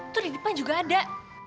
terus di depan juga ada